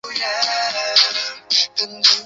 两河在须水镇大榆林村交汇。